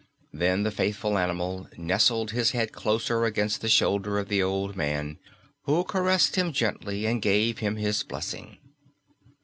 Then the faithful animal nestled his head closer against the shoulder of the old man, who caressed him gently and gave him his blessing.